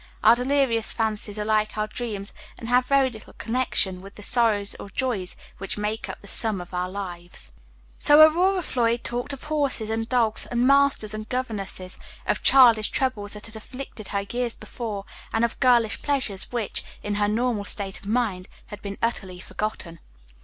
Our delirious fancies are like our dreams, and have very little connection with the sorrows or joys which make up the sum of our lives. So Aurora Floyd talked of horses and dogs, and masters and governesses; of childish troubles that had afflicted her years before, and of girlish pleasures, which, in her normal state of mind, had been utterly forgotten.